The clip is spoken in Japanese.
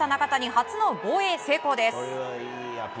初の防衛成功です。